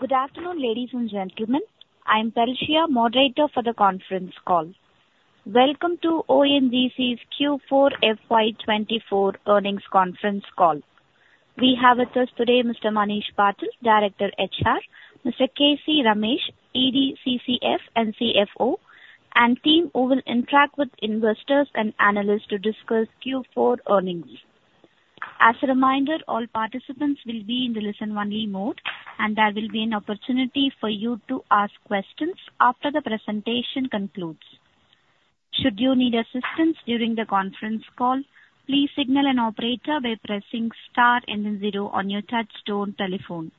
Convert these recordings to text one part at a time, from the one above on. Good afternoon, ladies and gentlemen. I am Parashar, moderator for the conference call. Welcome to ONGC's Q4 FY24 Earnings Conference Call. We have with us today Mr. Manish Patil, Director HR, Mr. K.C. Ramesh, ED, CCF, and CFO, and team, who will interact with investors and analysts to discuss Q4 earnings. As a reminder, all participants will be in the listen-only mode, and there will be an opportunity for you to ask questions after the presentation concludes. Should you need assistance during the conference call, please signal an operator by pressing star and then zero on your touchtone telephone.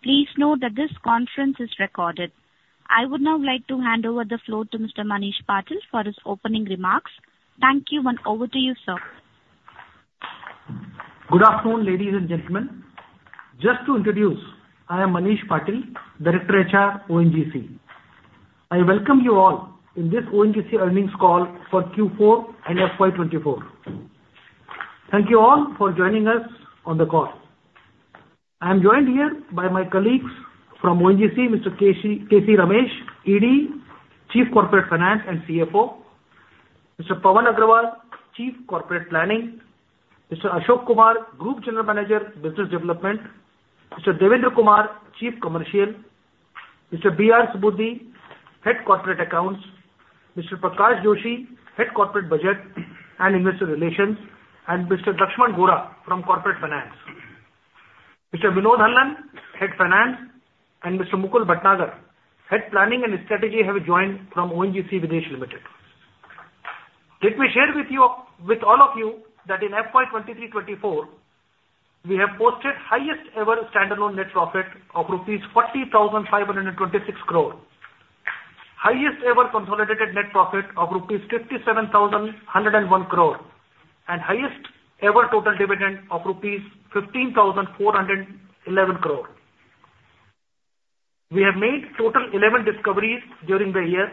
Please note that this conference is recorded. I would now like to hand over the floor to Mr. Manish Patil for his opening remarks. Thank you, and over to you, sir. Good afternoon, ladies and gentlemen. Just to introduce, I am Manish Patil, Director HR, ONGC. I welcome you all in this ONGC earnings call for Q4 and FY 2024. Thank you all for joining us on the call. I am joined here by my colleagues from ONGC, Mr. K.C. Ramesh, ED, Chief Corporate Finance and CFO. Mr. Pavan Agrawal, Chief Corporate Planning. Mr. Ashok Kumar, Group General Manager, Business Development. Mr. Devendra Kumar, Chief Commercial. Mr. B.R. Subudhi, Head Corporate Accounts. Mr. Prakash Joshi, Head Corporate Budget and Investor Relations. And Mr. Lakshman Gora from Corporate Finance. Mr. Vinod Hallan, Head Finance, and Mr. Mukul Bhatnagar, Head Planning and Strategy, have joined from ONGC Videsh Limited. Let me share with you, with all of you, that in FY 2023-2024, we have posted highest ever standalone net profit of rupees 40,526 crore. Highest ever consolidated net profit of rupees 57,101 crore, and highest ever total dividend of rupees 15,411 crore. We have made total 11 discoveries during the year,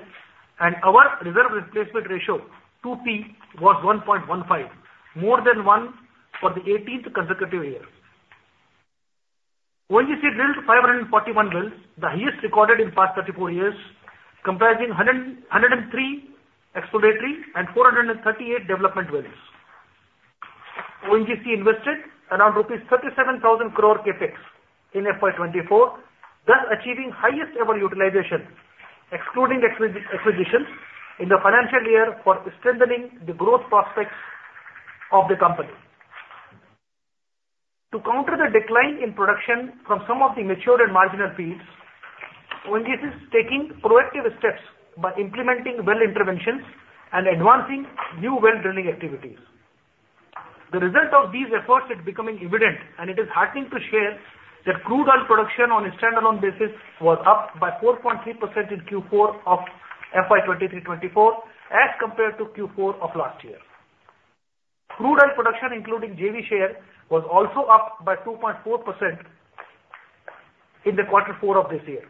and our reserve replacement ratio, 2P, was 1.15, more than one for the 18th consecutive year. ONGC drilled 541 wells, the highest recorded in past 34 years, comprising 103 exploratory and 438 development wells. ONGC invested around 37,000 crore rupees CapEx in FY 2024, thus achieving highest ever utilization, excluding acquisitions, in the financial year for strengthening the growth prospects of the company. To counter the decline in production from some of the mature and marginal fields, ONGC is taking proactive steps by implementing well interventions and advancing new well drilling activities. The result of these efforts is becoming evident, and it is heartening to share that crude oil production on a standalone basis was up by 4.3% in Q4 of FY 2023-24, as compared to Q4 of last year. Crude oil production, including JV share, was also up by 2.4% in the quarter four of this year.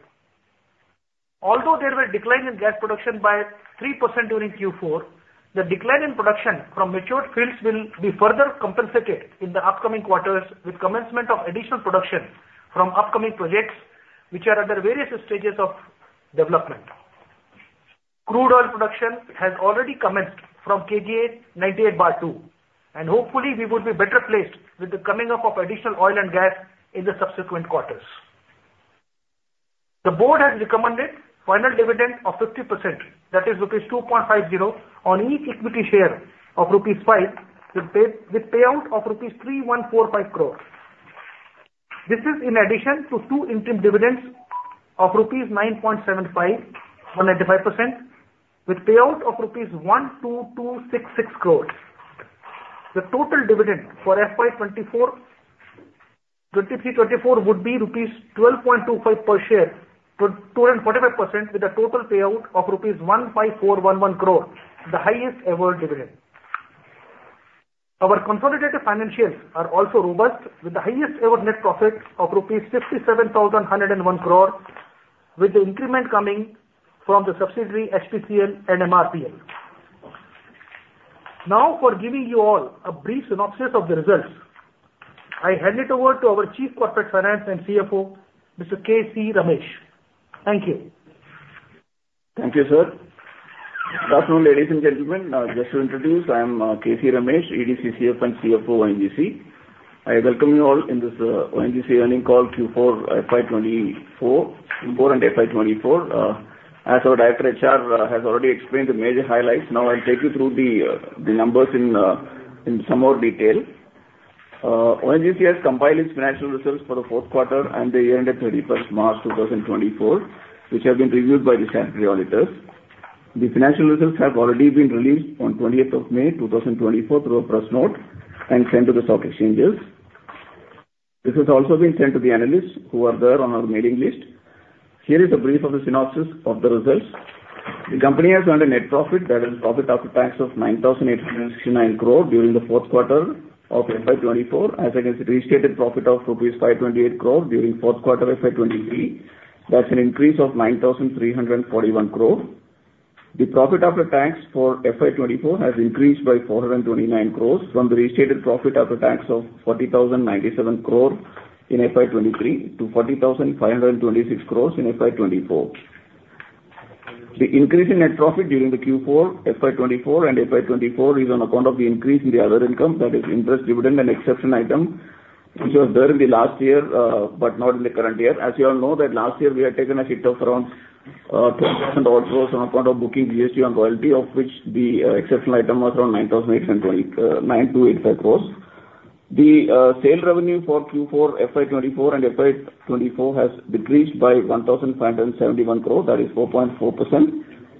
Although there were a decline in gas production by 3% during Q4, the decline in production from mature fields will be further compensated in the upcoming quarters with commencement of additional production from upcoming projects, which are at their various stages of development. Crude oil production has already commenced from KG 98/2, and hopefully we will be better placed with the coming up of additional oil and gas in the subsequent quarters. The board has recommended final dividend of 50%, that is, rupees 2.50 on each equity share of rupees 5, with payout of rupees 3,145 crore. This is in addition to two interim dividends of rupees 9.75, or 95%, with payout of rupees 12,266 crore. The total dividend for FY 2024... 2023-2024, would be rupees 12.25 per share, 25%, with a total payout of rupees 15,411 crore, the highest ever dividend. Our consolidated financials are also robust, with the highest ever net profit of rupees 57,101 crore, with the increment coming from the subsidiary, HPCL and MRPL. Now, for giving you all a brief synopsis of the results, I hand it over to our Chief Corporate Finance and CFO, Mr. K.C. Ramesh. Thank you. Thank you, sir. Good afternoon, ladies and gentlemen. Just to introduce, I am K.C. Ramesh, ED, CCF, and CFO, ONGC. I welcome you all in this ONGC earnings call Q4 FY 2024, Q4 and FY 2024. As our Director HR has already explained the major highlights, now I'll take you through the numbers in some more detail. ONGC has compiled its financial results for the fourth quarter and the year ended 31st March 2024, which have been reviewed by the statutory auditors. The financial results have already been released on 20th of May 2024, through a press note and sent to the stock exchanges. This has also been sent to the analysts who are there on our mailing list. Here is a brief of the synopsis of the results. The company has earned a net profit, that is, profit after tax, of 9,869 crore during the fourth quarter of FY 2024, as against restated profit of rupees 528 crore during fourth quarter FY 2023. That's an increase of 9,341 crore. The profit after tax for FY 2024 has increased by 429 crore from the restated profit after tax of 40,097 crore in FY 2023 to 40,526 crore in FY 2024. The increase in net profit during the Q4, FY 2024 and FY 2024 is on account of the increase in the other income, that is interest, dividend, and exception item, which was there in the last year, but not in the current year. As you all know, that last year we had taken a hit of around 12,000-odd crore on account of booking GST on royalty, of which the exceptional item was around 9,820.9285 crore. The sale revenue for Q4, FY 2024 and FY 2024 has decreased by 1,571 crore, that is 4.4%,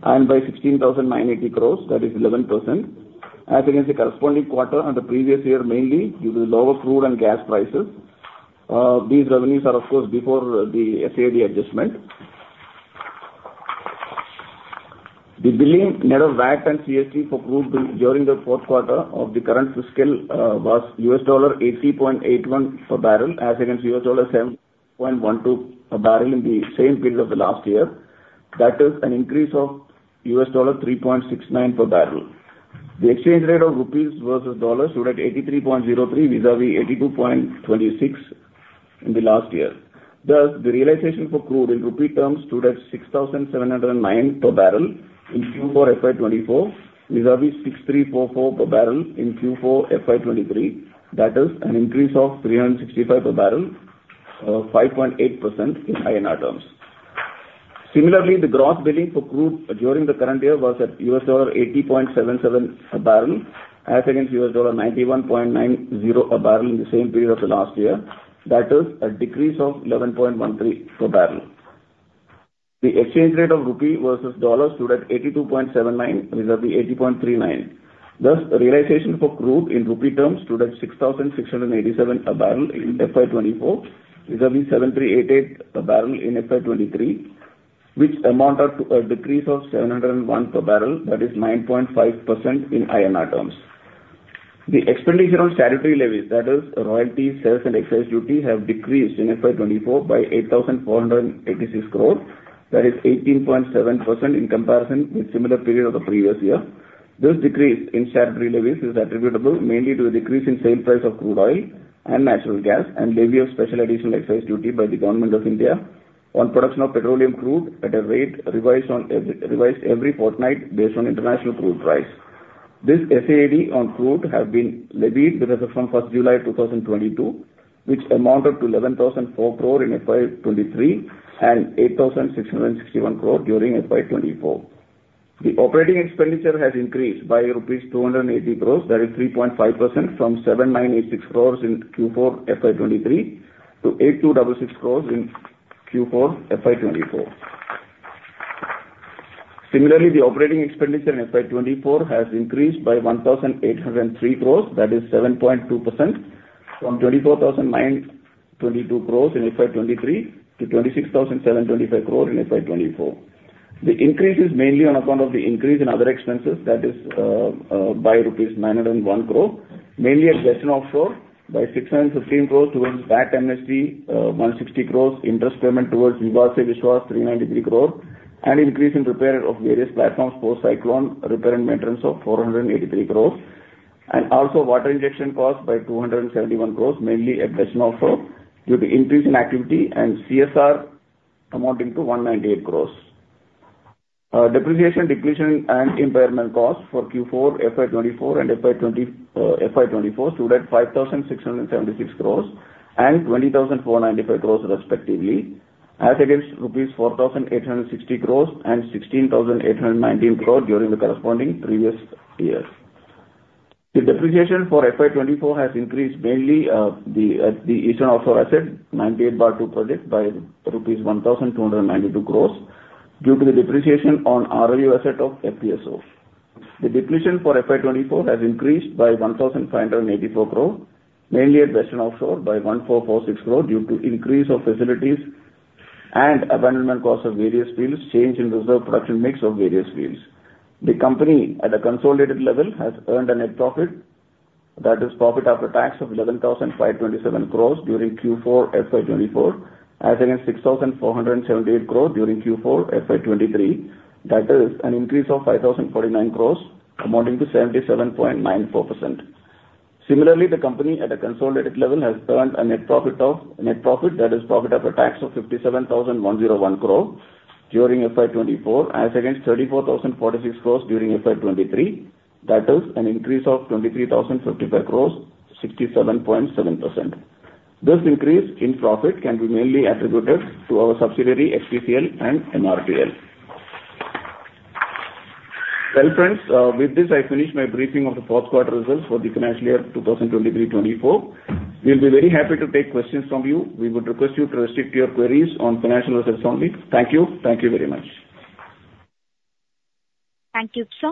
and by 16,980 crore, that is 11%. As against the corresponding quarter on the previous year, mainly due to the lower crude and gas prices. These revenues are, of course, before the SAED adjustment. The billing net of VAT and CST for crude during the fourth quarter of the current fiscal was $80.81 per barrel, as against $7.12 per barrel in the same period of the last year. That is an increase of $3.69 per barrel. The exchange rate of rupees versus dollars stood at $83.03, vis-à-vis $82.26 in the last year. Thus, the realization for crude in rupee terms stood at 6,709 per barrel in Q4 FY 2024, vis-à-vis 6,344 per barrel in Q4 FY 2023. That is an increase of 365 per barrel, or 5.8% in INR terms. Similarly, the gross billing for crude during the current year was at $80.77 a barrel, as against $91.90 a barrel in the same period of the last year. That is a decrease of $11.13 per barrel. The exchange rate of rupee versus dollar stood at $82.79, vis-à-vis $80.39. Thus, the realization for crude in rupee terms stood at 6,687 a barrel in FY 2024, vis-à-vis 7,388 a barrel in FY 2023, which amounted to a decrease of 701 per barrel, that is 9.5% in INR terms. The expenditure on statutory levies, that is royalties, sales and excise duty, have decreased in FY 2024 by 8,486 crore, that is 18.7% in comparison with similar period of the previous year. This decrease in statutory levies is attributable mainly to a decrease in sale price of crude oil and natural gas, and levy of special additional excise duty by the Government of India on production of petroleum crude at a rate revised every fortnight based on international crude price. This SAED on crude have been levied with effect from First July 2022, which amounted to 11,004 crore in FY 2023 and 8,661 crore during FY 2024. The operating expenditure has increased by rupees 280 crore, that is 3.5%, from 7,986 crore in Q4 FY 2023 to 8,266 crore in Q4 FY 2024. Similarly, the operating expenditure in FY 2024 has increased by 1,803 crore, that is 7.2%, from 24,922 crore in FY 2023 to 26,725 crore in FY 2024. The increase is mainly on account of the increase in other expenses, that is, by rupees 901 crore, mainly at Western Offshore by 616 crores towards VAT amnesty, 160 crores interest payment towards Vivad Se Vishwas, 393 crore, and increase in repair of various platforms for cyclone repair and maintenance of 483 crores, and also water injection cost by 271 crores, mainly at Western Offshore, due to increase in activity and CSR amounting to 198 crores. Depreciation, depletion, and impairment costs for Q4 FY 2024 and FY 2024 stood at 5,676 crores and 20,495 crores respectively, as against rupees 4,860 crores and 16,819 crore during the corresponding previous year. The depreciation for FY 2024 has increased mainly the Eastern Offshore asset, 98/2 project, by rupees 1,292 crore due to the depreciation on ROU asset of FPSO. The depletion for FY 2024 has increased by 1,584 crore, mainly at Western Offshore by 1,446 crore due to increase of facilities and abandonment costs of various fields, change in reserve production mix of various fields. The company, at a consolidated level, has earned a net profit, that is profit after tax, of 11,527 crore during Q4 FY 2024, as against 6,478 crore during Q4 FY 2023. That is an increase of 5,049 crore, amounting to 77.94%. Similarly, the company, at a consolidated level, has earned a net profit of, net profit, that is profit after tax, of 57,101 crore during FY 2024, as against 34,046 crore during FY 2023. That is an increase of 23,055 crore, 67.7%. This increase in profit can be mainly attributed to our subsidiary, HPCL and MRPL. Well, friends, with this, I finish my briefing of the fourth quarter results for the financial year 2023-24. We'll be very happy to take questions from you. We would request you to restrict your queries on financial results only. Thank you. Thank you very much. Thank you, sir.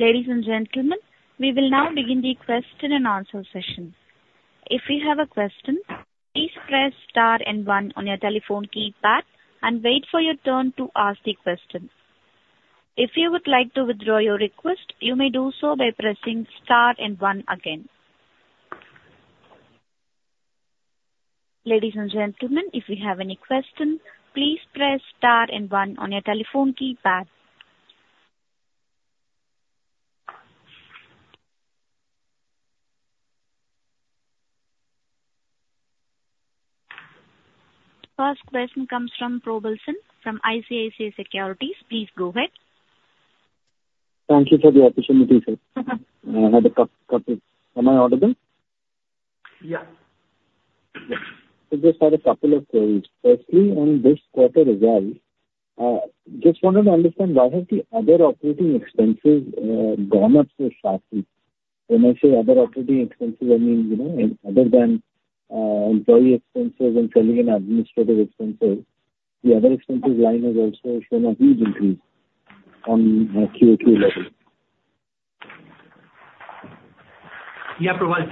Ladies and gentlemen, we will now begin the question and answer session. If you have a question, please press star and one on your telephone keypad and wait for your turn to ask the question. If you would like to withdraw your request, you may do so by pressing star and one again.... Ladies and gentlemen, if you have any question, please press star and one on your telephone keypad. First question comes from Probal Sen from ICICI Securities. Please go ahead. Thank you for the opportunity, sir. Mm-hmm. I had a couple. Am I audible? Yeah. I just had a couple of queries. Firstly, on this quarter result, just wanted to understand why has the other operating expenses gone up so sharply? When I say other operating expenses, I mean, you know, other than employee expenses and selling and administrative expenses, the other expenses line has also shown a huge increase on a QoQ level. Yeah, Probal,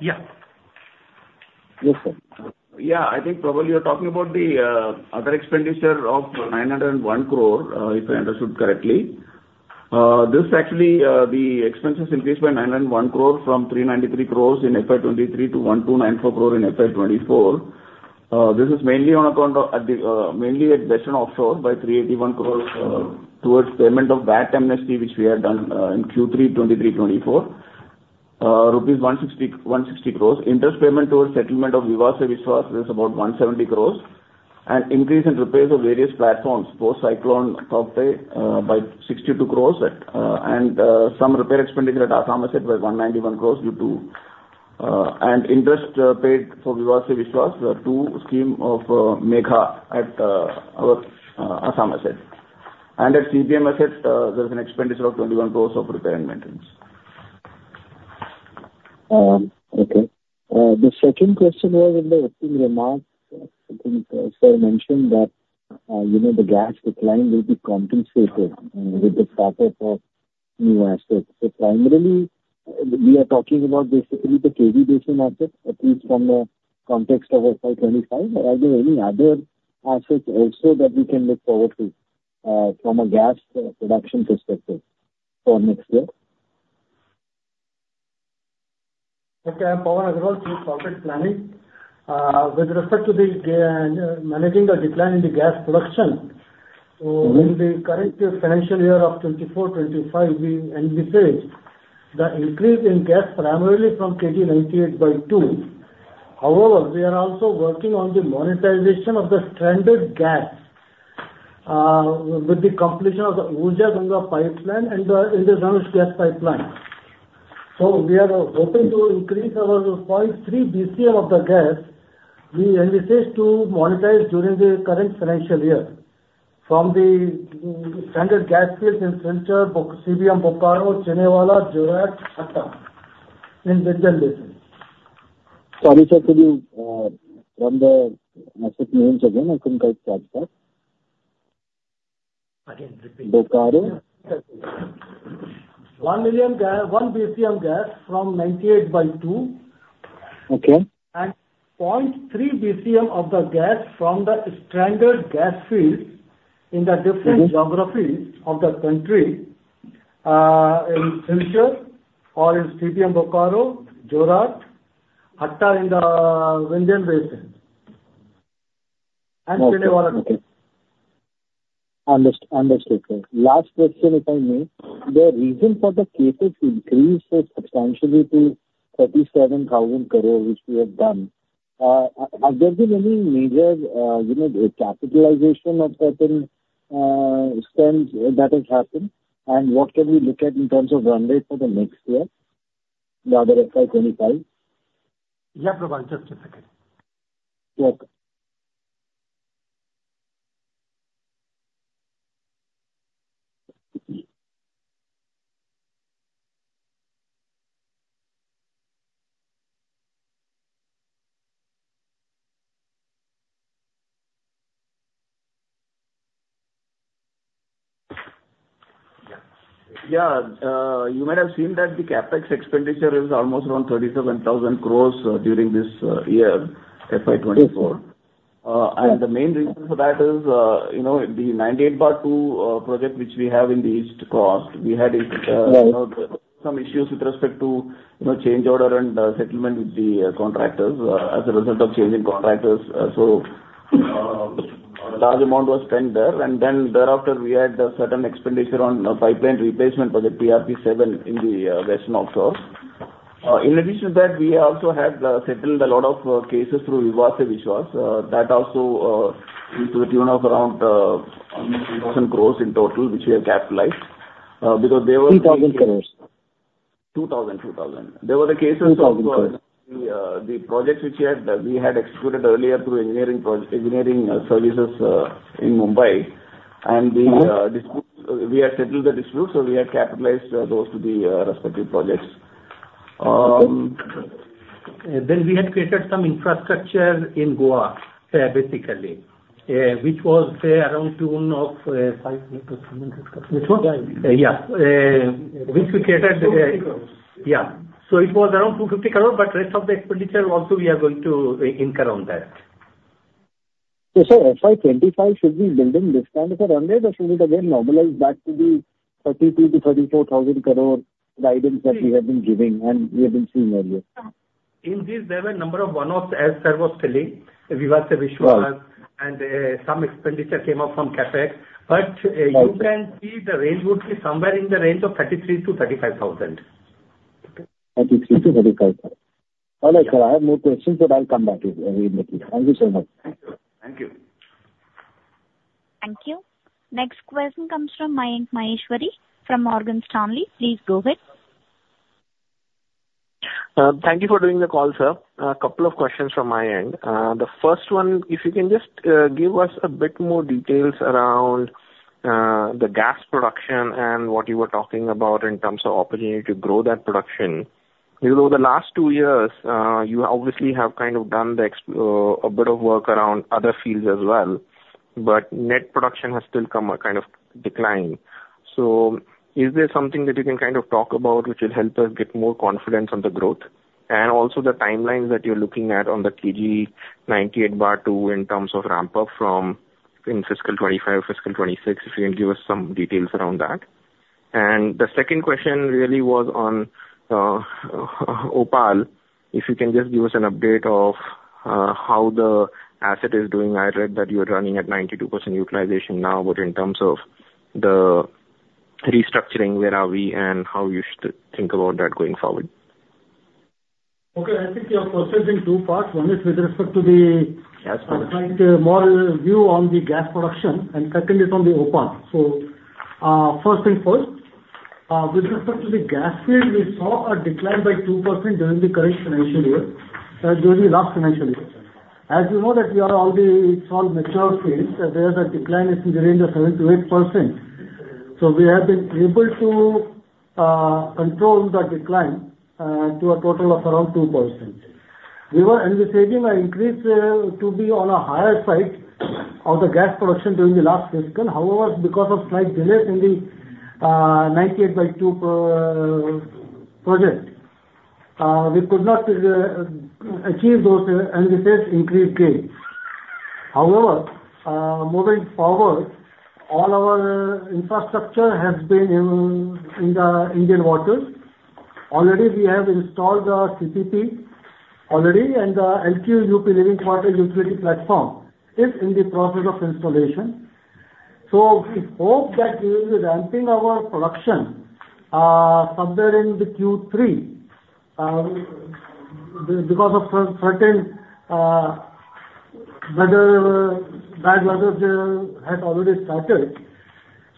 just hold on for a second. Okay. Yeah. Yes, sir. Yeah, I think, Probal, you're talking about the other expenditure of 901 crore, if I understood correctly. This actually, the expenses increased by 901 crore from 393 crore in FY 2023 to 1,294 crore in FY 2024. This is mainly on account of, mainly at Western Offshore by 381 crore, towards payment of VAT amnesty, which we had done in Q3 2023-24. Rupees 160 crore. Interest payment towards settlement of Vivad Se Vishwas is about 170 crore. Increase in repairs of various platforms, post Cyclone Tauktae, by 62 crore, and some repair expenditure at Assam asset was 191 crore due to interest paid for Vivad Se Vishwas, the scheme of Megha at our Assam asset. And at CBM asset, there is an expenditure of 21 crore of repair and maintenance. Okay. The second question was in the opening remarks, I think, sir mentioned that, you know, the gas decline will be compensated, with the start-up of new assets. So primarily, we are talking about basically the KG Basin assets, at least from the context of FY 2025, or are there any other assets also that we can look forward to, from a gas production perspective for next year? Okay, I'm Pavan Agrawal, Chief Corporate Planning. With respect to the gas, managing the decline in the gas production- Mm-hmm. So in the current financial year of 2024-2025, we anticipate the increase in gas primarily from KG 98/2. However, we are also working on the monetization of the stranded gas with the completion of the Urja Ganga Pipeline and the Indradhanush Gas Pipeline. So we are hoping to increase our 0.3 BCM of the gas, we envisage to monetize during the current financial year from the stranded gas fields in Cachar, Bokaro, CBM Bokaro, Chinnewala, Jorhat, Hatta, in the Vindhyan basin. Sorry, sir, could you run the asset names again? I couldn't quite catch that. Again, repeat. Bokaro? 1 BCM gas from 98 by 2. Okay. 0.3 BCM of the gas from the stranded gas field in the different- Mm-hmm. geographies of the country, in Cachar or in CBM Bokaro, Jorhat, Hatta in the Vindhyan basin. Okay. And Chhinewala. Okay. Understood, sir. Last question, if I may. The reason for the CapEx increase so substantially to 37,000 crore, which we have done, has there been any major, you know, capitalization of certain spends that has happened? And what can we look at in terms of runway for the next year, the other FY 2025? Yeah, Prabal, just a second. Okay. Yeah, you might have seen that the CapEx expenditure is almost around 37,000 crore during this year, FY 2024. Yes. The main reason for that is, you know, the 98/2 project, which we have in the east coast, we had, you know- Right... some issues with respect to, you know, change order and, settlement with the, contractors, as a result of changing contractors. So, a large amount was spent there, and then thereafter, we had a certain expenditure on a pipeline replacement for the PRP-VII in the, Western Offshore.... In addition to that, we also have, settled a lot of, cases through Vivad Se Vishwas, that also, to the tune of around 2,000 crore in total, which we have capitalized, because there were- 2,000 crore. 2,000, 2,000. INR 2,000 crore. There were the cases, the projects which we had, we had executed earlier through engineering services in Mumbai. And the dispute, we had settled the dispute, so we had capitalized those to the respective projects. We had created some infrastructure in Goa, basically, which was to the tune of 5. Which one? Yeah, which we created- INR 250 crore. Yeah. So it was around 250 crore, but rest of the expenditure also, we are going to incur on that. sir, FY 2025 should be building this kind of a runway or should it again normalize back to the 32,000 crore-34,000 crore guidance that we have been giving and we have been seeing earlier? In this, there were a number of one-offs, as sir was telling, Vivad Se Vishwas- Right. and some expenditure came up from CapEx. Right. You can see the range would be somewhere in the range of 33,000 crore-35,000 crore. INR 33 crore-INR 35,000 crore. All right, sir. I have no questions, but I'll come back if we need it. Thank you so much. Thank you. Thank you. Thank you. Next question comes from Mayank Maheshwari from Morgan Stanley. Please go ahead. Thank you for doing the call, sir. A couple of questions from my end. The first one, if you can just give us a bit more details around the gas production and what you were talking about in terms of opportunity to grow that production. You know, the last two years, you obviously have kind of done a bit of work around other fields as well, but net production has still come a kind of decline. So is there something that you can kind of talk about, which will help us get more confidence on the growth? And also the timelines that you're looking at on the KG-DWN-98/2, in terms of ramp up from in fiscal 2025 or fiscal 2026, if you can give us some details around that. And the second question really was on OPaL. If you can just give us an update of how the asset is doing. I read that you are running at 92% utilization now, but in terms of the restructuring, where are we and how you should think about that going forward? Okay, I think you are processing two parts. One is with respect to the- Yes. More view on the gas production, and second is on the OPaL. So, first thing first, with respect to the gas field, we saw a decline by 2% during the current financial year, during the last financial year. As you know, that we are already it's all mature fields, there the decline is in the range of 7%-8%. So we have been able to control the decline to a total of around 2%. We were anticipating an increase to be on a higher side of the gas production during the last fiscal. However, because of slight delay in the 98/2 project, we could not achieve those anticipate increased gains. However, moving forward, all our infrastructure has been in the Indian waters. Already we have installed the CPP, already, and the LQUP, Living Quarter Utility Platform, is in the process of installation. So we hope that we will be ramping our production somewhere in the Q3 because of certain weather, bad weather had already started.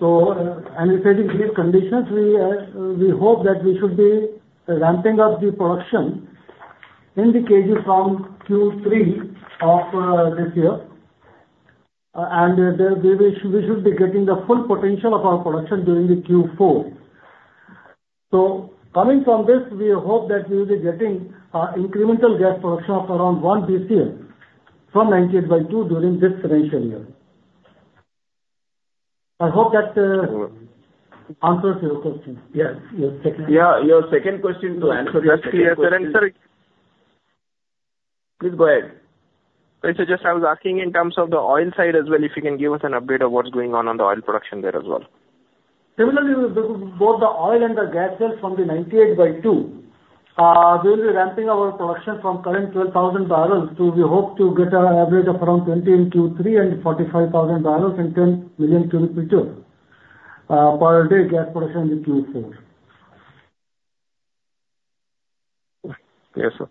So, anticipating clear conditions, we hope that we should be ramping up the production in the KG from Q3 of this year. And we should be getting the full potential of our production during the Q4. So coming from this, we hope that we will be getting incremental gas production of around one BCF from 98/2 during this financial year. I hope that answers your question. Yes, your second- Yeah, your second question, to answer just clear, sir... Please go ahead. So just I was asking in terms of the oil side as well, if you can give us an update of what's going on, on the oil production there as well? Similarly, with both the oil and the gas sales from the 98/2, we will be ramping our production from current 12,000 barrels to we hope to get an average of around 20 in Q3 and 45,000 barrels and 10 million cubic meters per day gas production in the Q4. Yes, sir.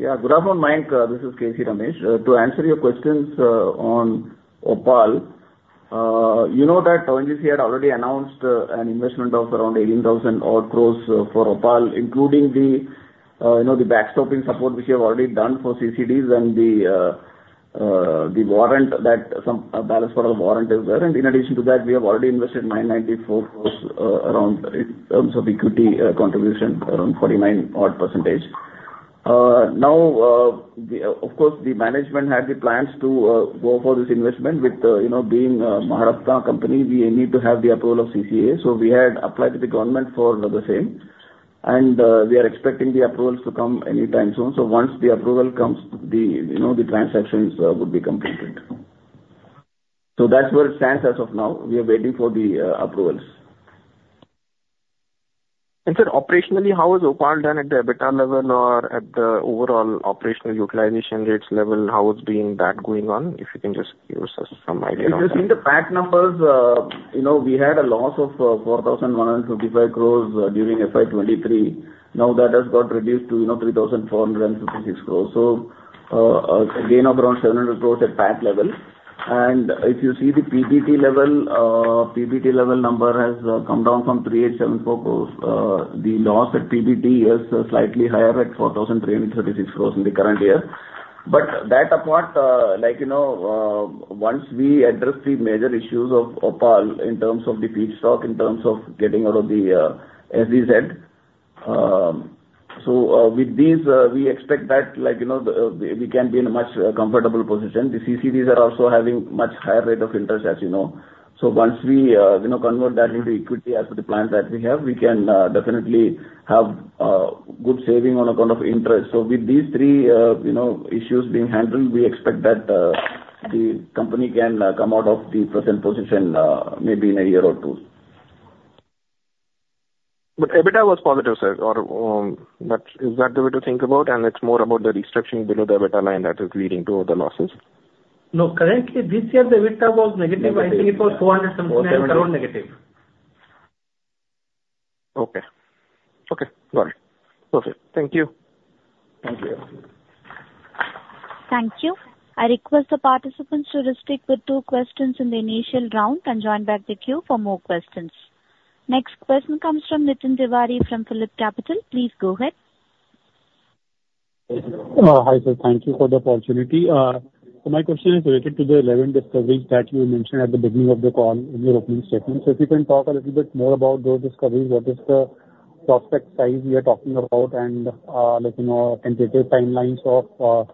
Yeah, good afternoon, Mayank. This is K.C. Ramesh. To answer your questions on OPaL, you know that Oil India had already announced an investment of around 18,000 crore for OPaL, including the, you know, the backstopping support which we have already done for CCDs and the, the warrant, that some balance for the warrant is there. And in addition to that, we have already invested 994 crore around in terms of equity contribution, around 49%. Now, of course, the management had the plans to go for this investment with, you know, being a Maharashtra company, we need to have the approval of CCA. So we had applied to the government for the same, and we are expecting the approvals to come anytime soon. So once the approval comes, the, you know, the transactions would be completed. So that's where it stands as of now. We are waiting for the approvals. ... And sir, operationally, how is OPaL done at the EBITDA level or at the overall operational utilization rates level? How is being that going on? If you can just give us some idea. If you see the pack numbers, you know, we had a loss of 4,155 crore during FY 2023. Now, that has got reduced to, you know, 3,456 crore. So, a gain of around 700 crore at pack level. And if you see the PBT level, PBT level number has come down from 3,874 crore. The loss at PBT is slightly higher at 4,336 crore in the current year. But that apart, like, you know, once we address the major issues of OPaL in terms of the feedstock, in terms of getting out of the SEZ, so, with these, we expect that, like, you know, the, we can be in a much comfortable position. The CCDs are also having much higher rate of interest, as you know. So once we, you know, convert that into equity as per the plan that we have, we can, definitely have, good saving on account of interest. So with these three, you know, issues being handled, we expect that, the company can, come out of the present position, maybe in a year or two. But EBITDA was positive, sir, or, but is that the way to think about? And it's more about the restructuring below the EBITDA line that is leading to the losses. No, currently, this year the EBITDA was negative. Negative. I think it was 400-something negative. Okay. Okay, got it. Perfect. Thank you. Thank you. Thank you. I request the participants to restrict with two questions in the initial round and join back the queue for more questions. Next question comes from Nitin Tiwari from PhillipCapital. Please go ahead. Hi, sir. Thank you for the opportunity. So my question is related to the 11 discoveries that you mentioned at the beginning of the call in your opening statement. So if you can talk a little bit more about those discoveries, what is the prospect size we are talking about? And, like, you know, tentative timelines of,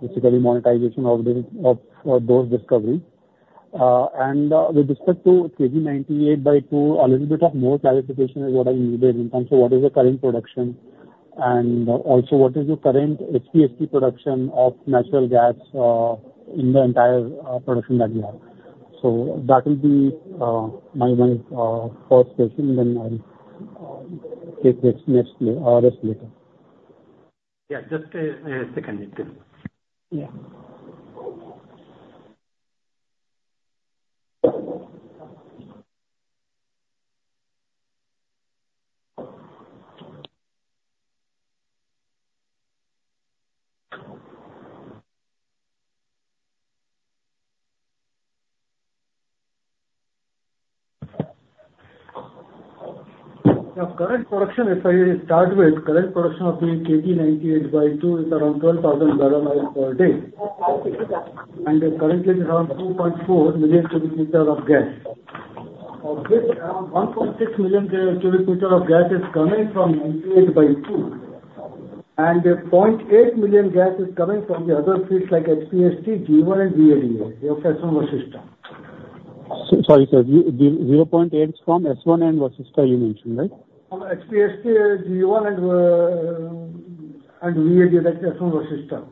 basically monetization of the, of, those discoveries. And, with respect to KG-98/2, a little bit more clarification is what I needed in terms of what is the current production, and also, what is the current HPHT production of natural gas, in the entire, production that we have. So that will be, my one, first question, then I'll, take it next, rest later. Yeah, just second it too. Yeah. The current production, if I start with, current production of the KG-98/2 is around 12,000 barrels of oil per day. Currently, we have 2.4 million cubic meters of gas, of which around 1.6 million cubic meters of gas is coming from 98/2, and 0.8 million cubic meters of gas is coming from the other fields like HPHT, G1, and Field, S1, Vasishta. Sorry, sir, the 0.8 from S1 and Vasishta you mentioned, right? From HPHT, G1 and, and Videsh, that's from Vasishta.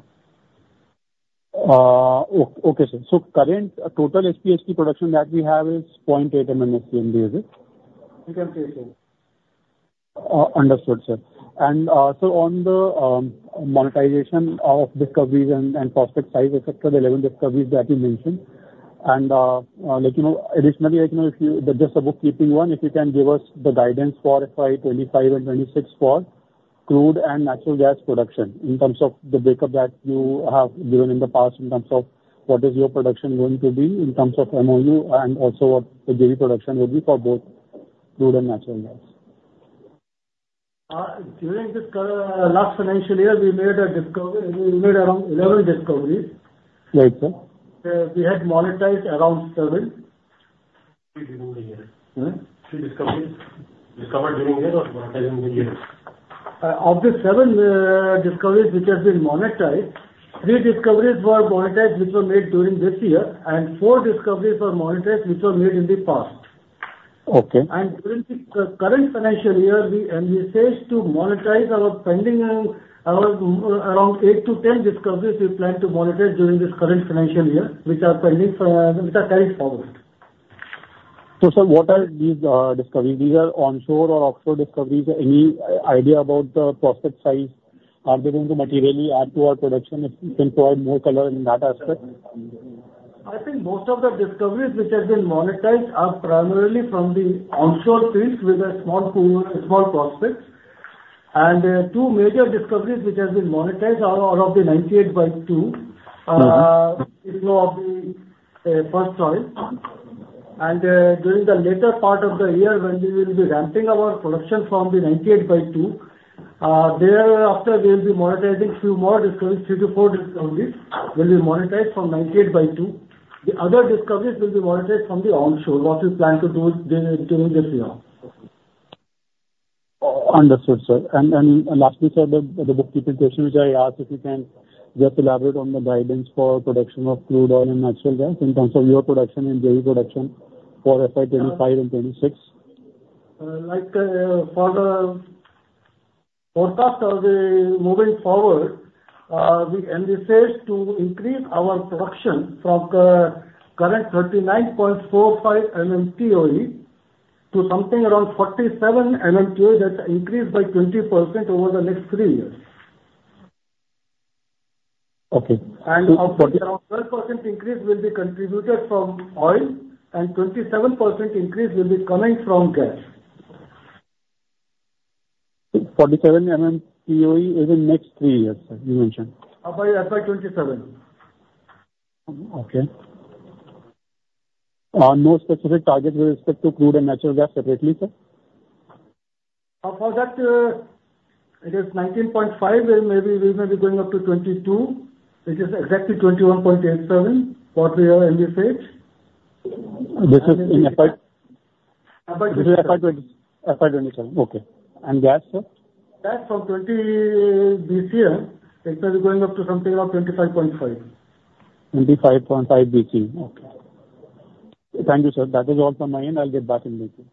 Okay, sir. So current total HPHT production that we have is 0.8 MMSCFD, is it? You can say so. Understood, sir. So on the monetization of discoveries and prospect size, et cetera, the 11 discoveries that you mentioned, and, like, you know, additionally, like, you know, if you... Just a bookkeeping one, if you can give us the guidance for FY 2025 and 2026 for crude and natural gas production in terms of the breakup that you have given in the past, in terms of what is your production going to be, in terms of MoU and also what the daily production will be for both crude and natural gas. During this last financial year, we made a discovery. We made around 11 discoveries. Right, sir. We had monetized around seven. During the year. Hmm? Three discoveries discovered during the year or monetized in the year? Of the seven discoveries which have been monetized, three discoveries were monetized, which were made during this year, and four discoveries were monetized, which were made in the past. Okay. During the current financial year, we staged to monetize our pending around eight to 10 discoveries we plan to monetize during this current financial year, which are pending, which are current forward. So, sir, what are these discoveries? These are onshore or offshore discoveries. Any idea about the prospect size? Are they going to materially add to our production? If you can provide more color in that aspect. I think most of the discoveries which have been monetized are primarily from the onshore fields, with a small pool, small prospects. And, two major discoveries which have been monetized are all of the 98/2. Mm-hmm. You know, of the first choice. And during the later part of the year, when we will be ramping our production from the 98/2, thereafter, we'll be monetizing few more discoveries. Three to four discoveries will be monetized from 98/2. The other discoveries will be monetized from the onshore, what we plan to do during this year. Understood, sir. And lastly, sir, the bookkeeping question which I asked, if you can just elaborate on the guidance for production of crude oil and natural gas in terms of your production and daily production for FY 2025 and 2026? Like, for the forecast of the moving forward, we envisage to increase our production from the current 39.45 MMtoe to something around 47 MMtoe. That's an increase by 20% over the next three years. Okay. Around 12% increase will be contributed from oil, and 27% increase will be coming from gas. 47 MMtoe in the next three years, sir, you mentioned? By FY 2027. Okay. No specific target with respect to crude and natural gas separately, sir? For that, it is 19.5, and maybe we may be going up to 22, which is exactly 21.87, what we have envisaged. This is in FY- FY 20- This is FY 2020, FY 2027. Okay. And gas, sir? Gas from 20 BCF, it may be going up to something around 25.5. 25.5 BCF. Okay. Thank you, sir. That is all from my end. I'll get back in with you.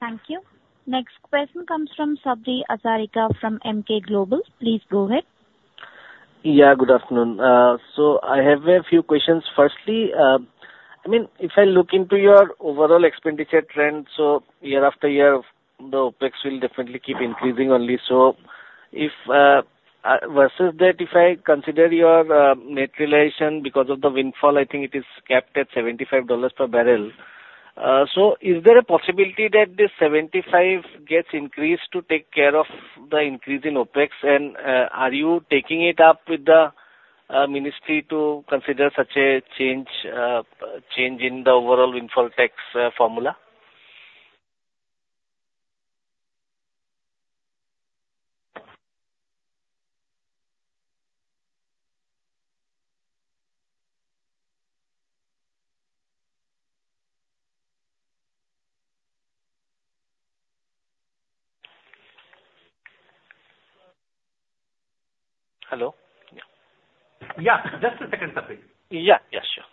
Thank you. Next question comes from Sabri Hazarika from Emkay Global. Please go ahead. Yeah, good afternoon. So I have a few questions. Firstly, I mean, if I look into your overall expenditure trend, so year after year, the OpEx will definitely keep increasing only. So if versus that, if I consider your net realization because of the windfall, I think it is capped at $75 per barrel. So is there a possibility that this $75 gets increased to take care of the increase in OpEx? And are you taking it up with the ministry to consider such a change, change in the overall windfall tax formula? Hello? Yeah, just a second, Sabri. Yeah, yeah, sure.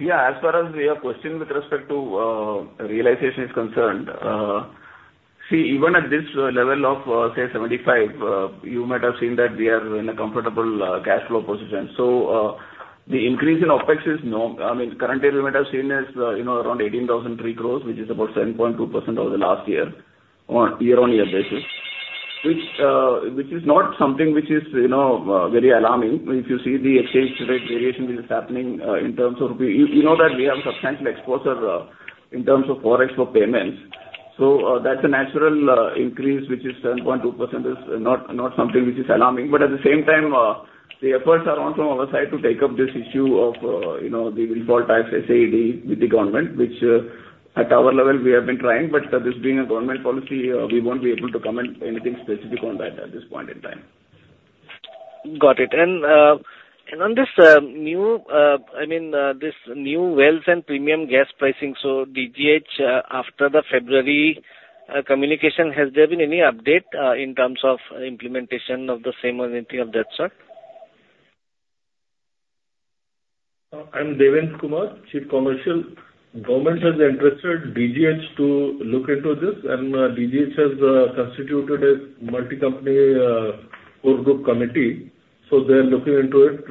Yeah, as far as your question with respect to realization is concerned, see, even at this level of, say, $75, you might have seen that we are in a comfortable cash flow position. So, the increase in OpEx is—I mean, currently, we might have seen as, you know, around 18,300 crore, which is about 7.2% over the last year, on year-on-year basis. Which is not something which is, you know, very alarming. If you see the exchange rate variation, which is happening, in terms of the... You know, that we have substantial exposure, in terms of Forex for payments. So, that's a natural increase, which is 7.2%, is not something which is alarming. But at the same time, the efforts are on from our side to take up this issue of, you know, the windfall tax, say, with the government, which, at our level, we have been trying. But this being a government policy, we won't be able to comment anything specific on that at this point in time. Got it. And on this, I mean, this new wells and premium gas pricing, so DGH, after the February communication, has there been any update, in terms of implementation of the same or anything of that sort? I'm Devendra Kumar, Chief Commercial. Government has instructed DGH to look into this, and, DGH has, constituted a multi-company, core group committee. So they're looking into it,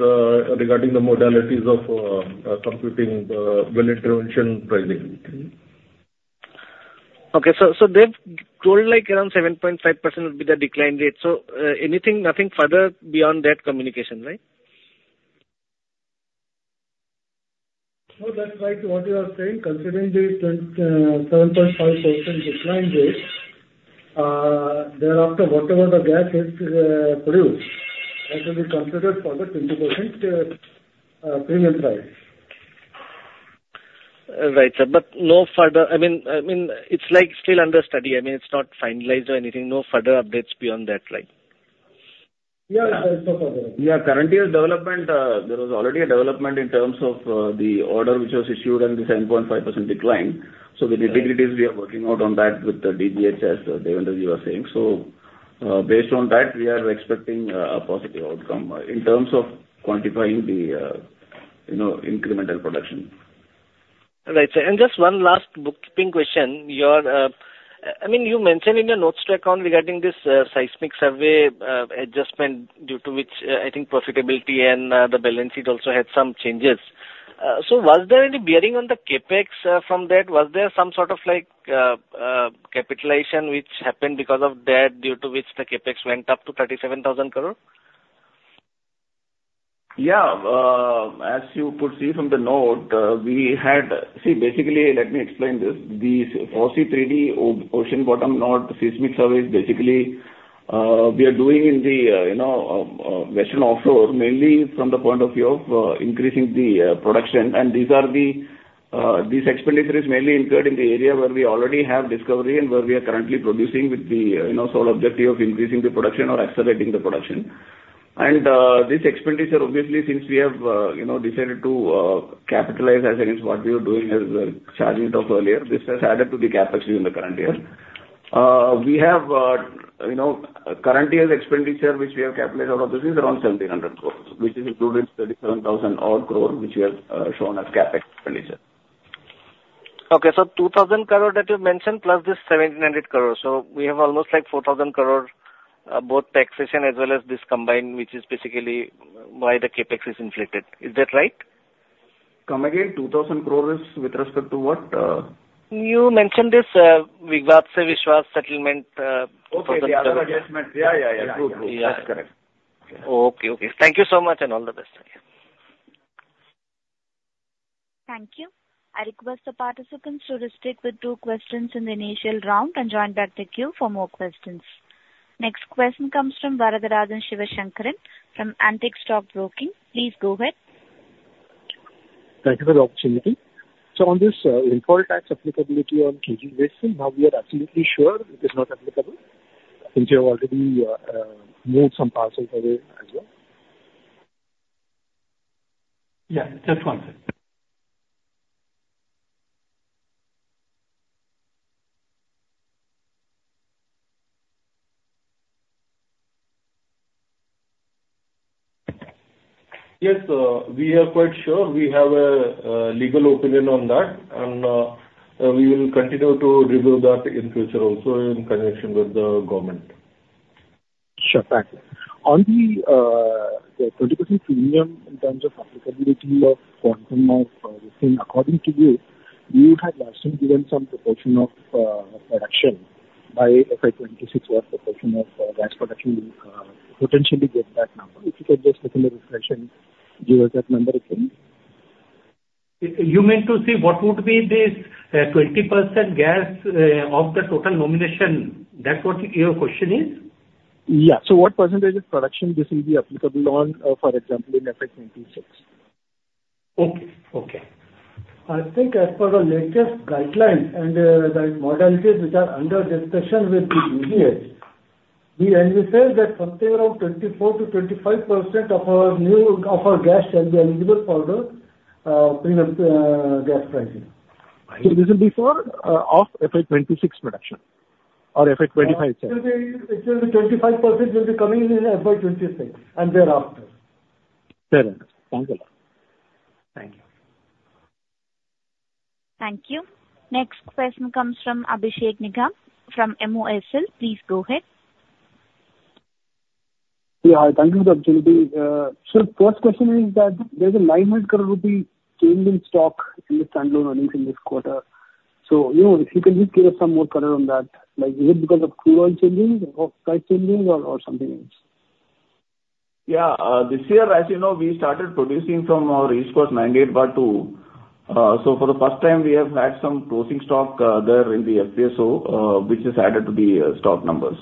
regarding the modalities of, computing the well intervention pricing. Okay. So they've grown, like, around 7.5% would be the decline rate. So, anything, nothing further beyond that communication, right? No, that's right what you are saying, considering the 27.5% decline rate, thereafter, whatever the gas is produced, that will be considered for the 20% premium price. Right, sir. But no further... I mean, I mean, it's, like, still under study. I mean, it's not finalized or anything. No further updates beyond that, right? Yeah, there is no further update. Yeah, currently a development, there was already a development in terms of, the order which was issued on the 7.5% decline. Right. So the nitty-gritties, we are working out on that with the DGH, as Devendra, you were saying. So, based on that, we are expecting a positive outcome in terms of quantifying the, you know, incremental production. Right, sir. Just one last bookkeeping question. Your, I mean, you mentioned in your notes to account regarding this seismic survey adjustment, due to which, I think profitability and the balance sheet also had some changes. So was there any bearing on the CapEx from that? Was there some sort of like capitalization which happened because of that, due to which the CapEx went up to 37,000 crore? Yeah. As you could see from the note, we had... See, basically, let me explain this. The 3D ocean bottom node seismic survey, basically, we are doing in the, you know, Western Offshore, mainly from the point of view of increasing the production. And these are the these expenditures mainly incurred in the area where we already have discovery and where we are currently producing with the, you know, sole objective of increasing the production or accelerating the production. And this expenditure, obviously, since we have, you know, decided to capitalize as against what we were doing, as charging it off earlier, this has added to the CapEx in the current year. We have, you know, current year's expenditure, which we have capitalized out of this, is around 1,700 crore, which is included in 37,000-odd crore, which we have shown as CapEx expenditure. Okay. So 2,000 crore that you've mentioned, plus this 1,700 crore, so we have almost, like, 4,000 crore, both taxation as well as this combined, which is basically why the CapEx is inflated. Is that right? Come again. 2,000 crore is with respect to what? You mentioned this settlement, Okay. Yeah, yeah, yeah. Good. Good. That's correct. Okay. Okay. Thank you so much, and all the best. Thank you. I request the participants to stick with two questions in the initial round, and join back the queue for more questions. Next question comes from Varatharajan Sivasankaran from Antique Stock Broking. Please go ahead. Thank you for the opportunity. So on this, import tax applicability on KG Basin, now we are absolutely sure it is not applicable, since you have already, moved some parcels away as well? Yeah, just one second. Yes, we are quite sure. We have a legal opinion on that, and we will continue to review that in future also in connection with the government. Sure. Thank you. On the 20% premium in terms of applicability of, according to you, you had actually given some proportion of production by FY 2026, or proportion of gas production, potentially get that number. If you could just give us that number again. You mean to say what would be the 20% gas of the total nomination? That's what your question is? Yeah. So what percentage of production this will be applicable on, for example, in FY 2026? Okay. Okay. I think as per the latest guidelines and the modalities which are under discussion with the DGH, we understand that something around 24%-25% of our new, of our gas will be eligible for the premium gas pricing. This will be for FY 2026 production or FY 2025, sir? It will be 25% will be coming in FY 2026 and thereafter. Fair enough. Thank you. Thank you. Thank you. Next question comes from Abhishek Nigam from MOSL. Please go ahead. Yeah, thank you for the opportunity. So, first question is that there's 900 crore rupee change in stock in the standalone earnings in this quarter. So, you know, if you can just give us some more color on that, like, is it because of crude oil changes or price changes or, or something else? Yeah, this year, as you know, we started producing from our East Coast 98/2. So for the first time, we have had some closing stock there in the FPSO, which is added to the stock numbers.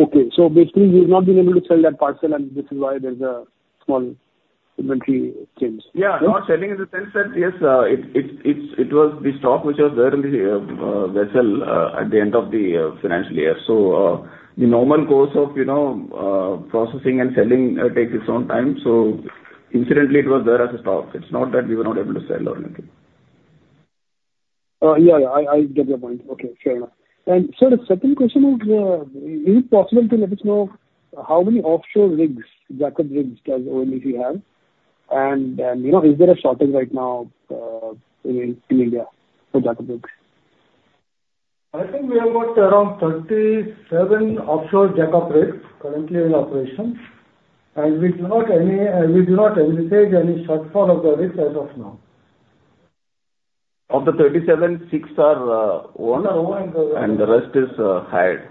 Okay. So basically, you've not been able to sell that parcel, and this is why there is a small inventory change? Yeah, not selling in the sense that, yes, it was the stock which was there in the vessel at the end of the financial year. So, the normal course of, you know, processing and selling takes its own time, so incidentally, it was there as a stock. It's not that we were not able to sell or anything. Yeah, yeah. I get your point. Okay, fair enough. And sir, the second question is, is it possible to let us know how many offshore rigs, jackup rigs, does ONGC have? And, you know, is there a shortage right now, in India for jackup rigs? I think we have got around 37 offshore jackup rigs currently in operation, and we do not anticipate any shortfall of the rigs as of now. Of the 37, six are owned- Owned, uh- and the rest is hired.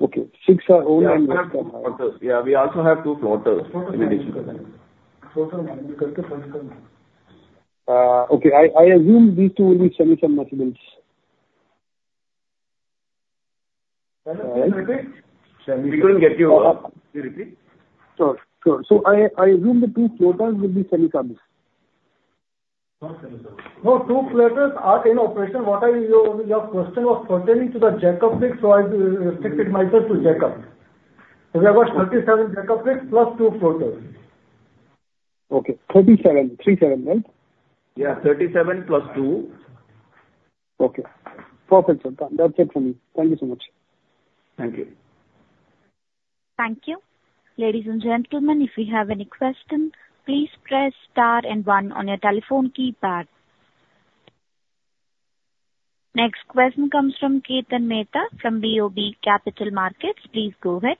Okay. Six are owned, and- Yeah, we also have two floaters in addition to that. Floater, and we correct the floater. Okay. I assume these two will be semi-submersibles. Sorry, can you repeat? We couldn't get you. Can you repeat? Sure. Sure. So I, I assume the two floaters will be semi-submersibles? No, two floaters are in operation. Your question was pertaining to the jackup rigs, so I restricted myself to jackup. We have got 37 jackup rigs, plus two floaters. Okay, 37. 3 7, right? Yeah, 37 + 2. Okay, perfect, sir. That's it from me. Thank you so much. Thank you. Thank you. Ladies and gentlemen, if you have any question, please press star and one on your telephone keypad. Next question comes from Kirtan Mehta, from BOB Capital Markets. Please go ahead.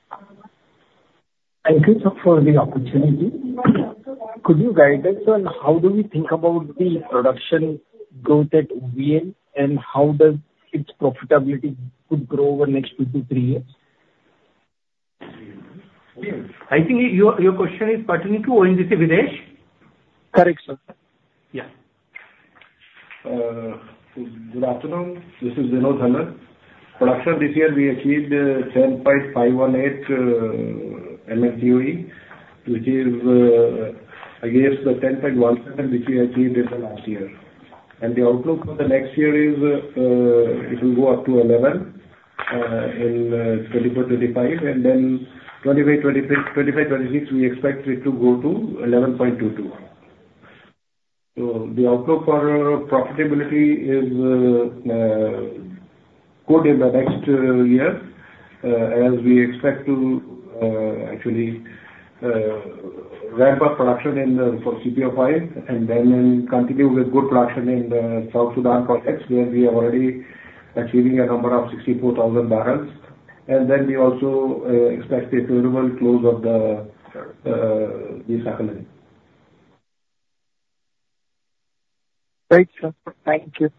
Thank you, sir, for the opportunity. Could you guide us on how do we think about the production growth at VL, and how does its profitability could grow over the next two to three years? I think your question is pertaining to ONGC Videsh? Correct, sir. Yeah. Good afternoon. This is Vinod Hallan. Production this year, we achieved 10.518 MMBOE, which is against the 10.17, which we achieved in the last year. ...And the outlook for the next year is, it will go up to 11 in 2024-2025, and then 2025-2026, we expect it to go to 11.22. So the outlook for profitability is good in the next year, as we expect to actually ramp up production in the CPO-5, and then continue with good production in the South Sudan projects, where we are already achieving a number of 64,000 barrels. And then we also expect it to remain close to the. Great, sir. Thank you.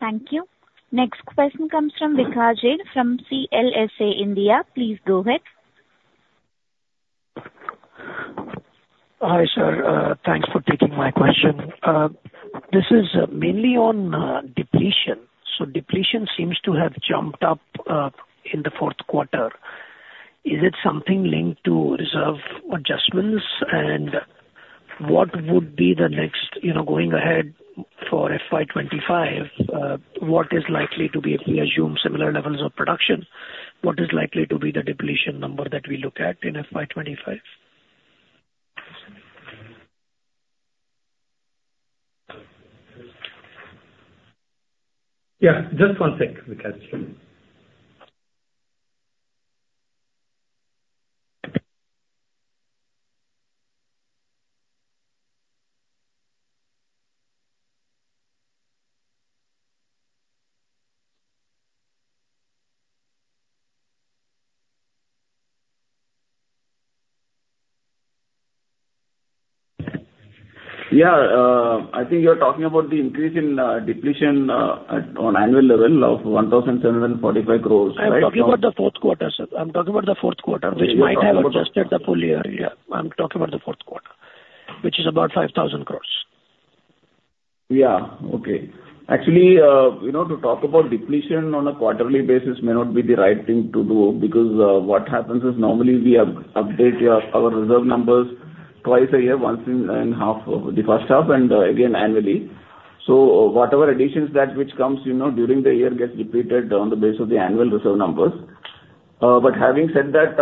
Thank you. Next question comes from Vikas Jain, from CLSA India. Please go ahead. Hi, sir. Thanks for taking my question. This is mainly on depletion. So depletion seems to have jumped up in the fourth quarter. Is it something linked to reserve adjustments? And what would be the next, you know, going ahead for FY 2025, what is likely to be, if we assume similar levels of production, what is likely to be the depletion number that we look at in FY 2025? Yeah, just one sec, Vikas. Yeah, I think you're talking about the increase in depletion at an annual level of 1,745 crore, right? I'm talking about the fourth quarter, sir. I'm talking about the fourth quarter, which might have adjusted the full year. Yeah, I'm talking about the fourth quarter, which is about 5,000 crore. Yeah. Okay. Actually, you know, to talk about depletion on a quarterly basis may not be the right thing to do, because what happens is normally we update our reserve numbers twice a year, once in the first half and again annually. So whatever additions that come, you know, during the year gets depleted on the basis of the annual reserve numbers. But having said that,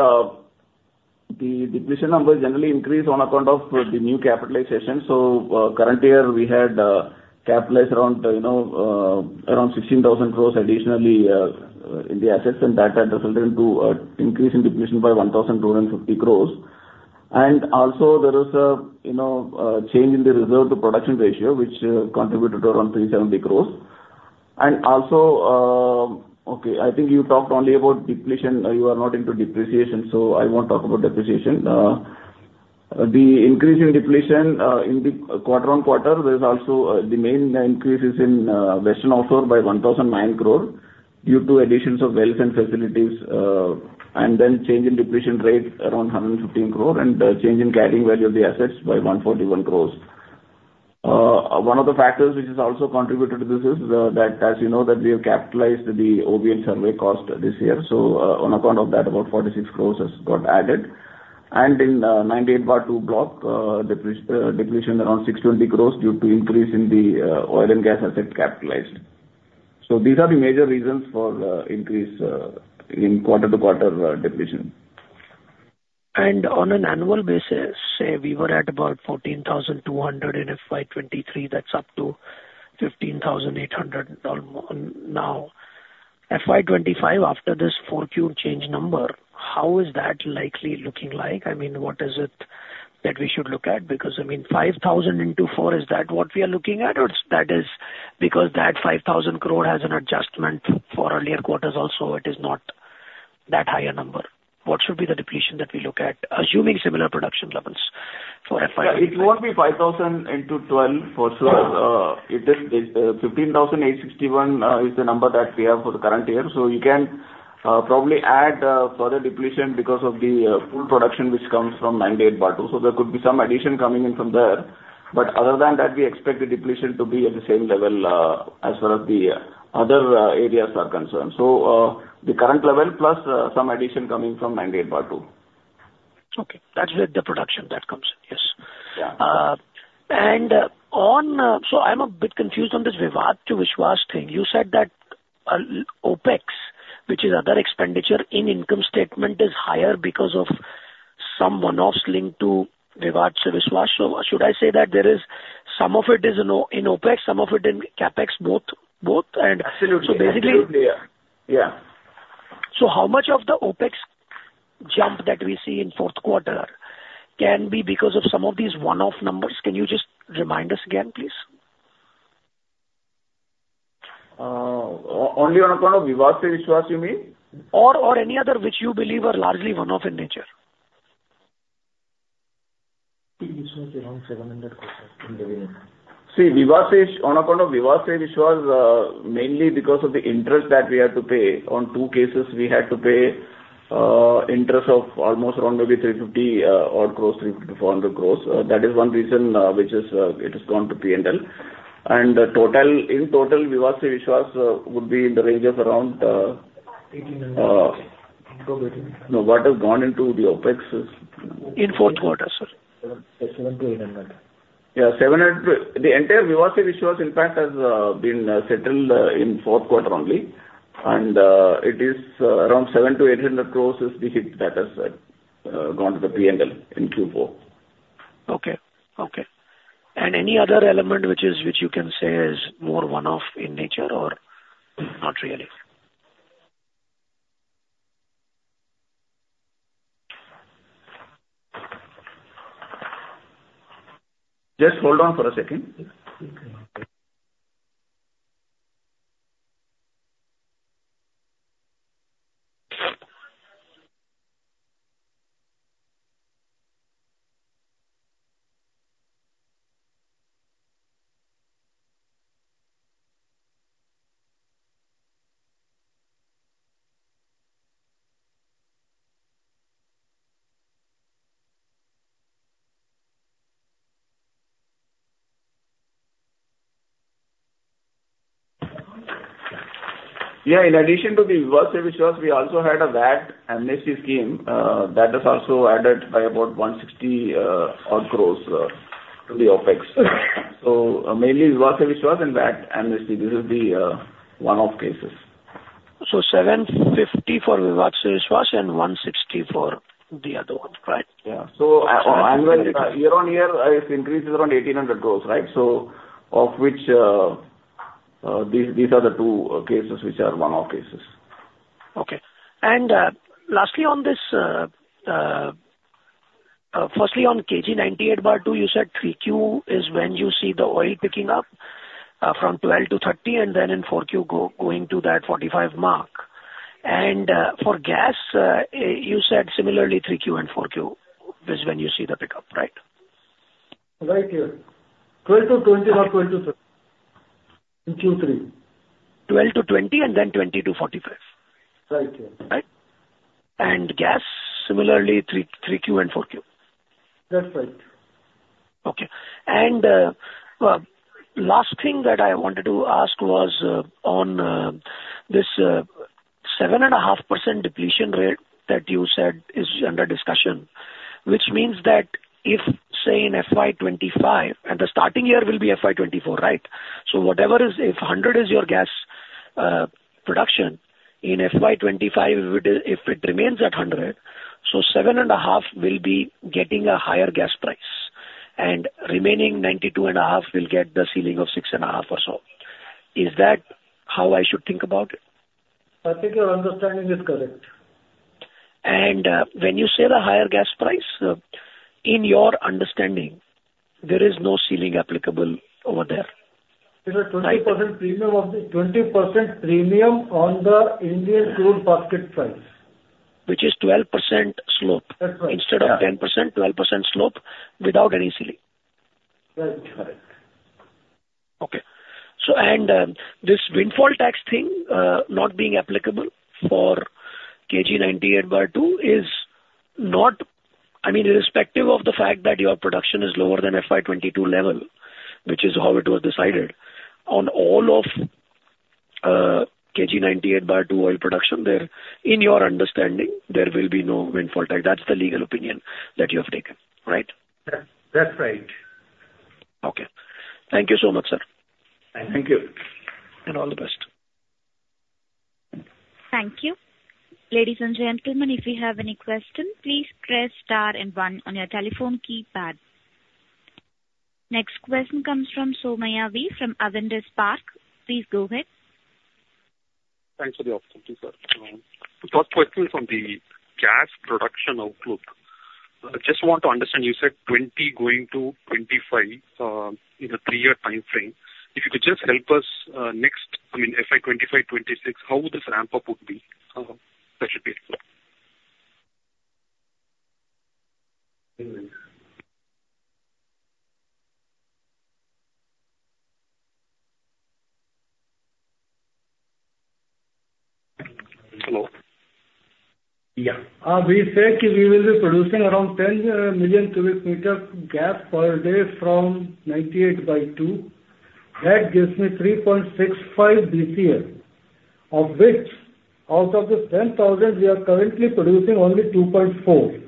the depletion numbers generally increase on account of the new capitalization. So, current year, we had capitalized around, you know, around 16,000 crore additionally in the assets, and that had resulted into increase in depletion by 1,250 crore. And also there is a, you know, change in the reserve-to-production ratio, which contributed around 370 crore. Okay, I think you talked only about depletion. You are not into depreciation, so I won't talk about depreciation. The increase in depletion in the quarter-on-quarter, there is also the main increases in Western Offshore by 1,009 crore, due to additions of wells and facilities, and then change in depletion rate around 115 crore, and a change in carrying value of the assets by 141 crore. One of the factors which has also contributed to this is that, as you know, that we have capitalized the OBN survey cost this year. So, on account of that, about 46 crore has got added. And in 98/2 block, depletion around 620 crore due to increase in the oil and gas assets capitalized. So these are the major reasons for increase in quarter-to-quarter depletion. On an annual basis, say we were at about 14,200 in FY 2023, that's up to 15,800 now. FY 2025, after this 4Q change number, how is that likely looking like? I mean, what is it that we should look at? Because, I mean, 5,000 into four, is that what we are looking at? Or that is because that 5,000 crore has an adjustment for earlier quarters also, it is not that higher number. What should be the depletion that we look at, assuming similar production levels for FY 2025? Yeah, it won't be 5,000 into 12 for sure. It is 15,861 is the number that we have for the current year. So you can probably add further depletion because of the full production, which comes from 98/2. So there could be some addition coming in from there. But other than that, we expect the depletion to be at the same level as far as the other areas are concerned. So the current level, plus some addition coming from 98/2. Okay. That's with the production that comes in. Yes. Yeah. So I'm a bit confused on this Vivad Se Vishwas thing. You said that OpEx, which is other expenditure in income statement, is higher because of some one-offs linked to Vivad Se Vishwas. So should I say that there is some of it is in OpEx, some of it in CapEx, both, both? And- Absolutely. So basically- Absolutely, yeah. Yeah. How much of the OpEx jump that we see in fourth quarter can be because of some of these one-off numbers? Can you just remind us again, please? Only on account of Vivad Se Vishwas, you mean? Or, any other which you believe are largely one-off in nature. It was around INR 700 crore in the revenue. See, Vivad Se Vishwas, on account of Vivad Se Vishwas, mainly because of the interest that we had to pay. On two cases, we had to pay interest of almost around maybe 350 crores or close to 400 crores. That is one reason, which is, it has gone to P&L. And the total, in total, Vivad Se Vishwas would be in the range of around, Eighteen hundred. ...No, what has gone into the OpEx is? In fourth quarter, sir. 700 crore-800 crore. Yeah, 700 crore. The entire Vivad Se Vishwas impact has been settled in fourth quarter only, and it is around 700 crore-800 crores is the hit that has gone to the P&L in Q4. Okay. Okay. Any other element which is, which you can say is more one-off in nature or not really? Just hold on for a second. Okay. Yeah, in addition to the Vivad Se Vishwas, we also had a VAT amnesty scheme that has also added by about 160 odd crore to the OpEx. So mainly Vivad Se Vishwas and VAT amnesty, this is the one-off cases. 750 crore for Vivad Se Vishwas and 160 crore for the other one, right? Yeah. So annual, year-on-year, it increases around 1,800 crore, right? So of which, these are the two cases which are one-off cases. Okay. Lastly on this, firstly on KG-98/2, you said 3Q is when you see the oil picking up, from 12 to 30, and then in 4Q going to that 45 mark. And, for gas, you said similarly, 3Q and 4Q is when you see the pickup, right? Right here. 12-20 or 20-30, in Q3. 12 to 20, and then 20 to 45. Right. Right? And gas, similarly, 3, 3Q and 4Q. That's right. Okay. And, last thing that I wanted to ask was, on, this, 7.5% depletion rate that you said is under discussion, which means that if, say, in FY 2025, and the starting year will be FY 2024, right? So whatever is... If 100 is your gas, production, in FY 2025, if it, if it remains at 100, so 7.5 will be getting a higher gas price, and remaining 92.5 will get the ceiling of 6.5 or so. Is that how I should think about it? I think your understanding is correct. When you say the higher gas price, in your understanding, there is no ceiling applicable over there, right? There's a 20% premium on the Indian crude basket price. Which is 12% slope. That's right. Instead of 10%, 12% slope without any ceiling? That's correct. Okay. This windfall tax thing, not being applicable for KG 98/2, is not—I mean, irrespective of the fact that your production is lower than FY 2022 level, which is how it was decided, on all of KG 98/2 oil production, there, in your understanding, there will be no windfall tax. That's the legal opinion that you have taken, right? That, that's right. Okay. Thank you so much, sir. Thank you. All the best. Thank you. Ladies and gentlemen, if you have any questions, please press star and one on your telephone keypad. Next question comes from Somaiah V. From Avendus Spark. Please go ahead. Thanks for the opportunity, sir. First question on the gas production outlook. I just want to understand, you said 20 going to 25 in a three-year timeframe. If you could just help us, next, I mean, FY 2025, 2026, how this ramp-up would be. That should be it. Hmm. Hello? Yeah. We said we will be producing around 10 million cubic meter gas per day from 98/2. That gives me 3.65 BCF, of which, out of the 10,000, we are currently producing only 2.4.